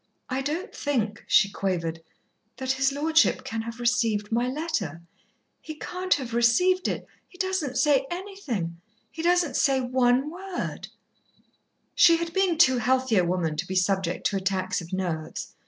"I don't think," she quavered, "that his lordship can have received my letter. He can't have received it. He doesn't say anything. He doesn't say one word " She had been too healthy a woman to be subject to attacks of nerves.